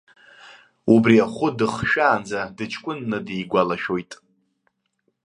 Убри ахәы дыхшәаанӡа дыҷкәынны дигәалашәоит.